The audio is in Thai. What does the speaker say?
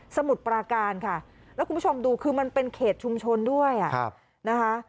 มุดปราการค่ะแล้วคุณผู้ชมดูคือมันเป็นเขตชุมชนด้วยนะคะ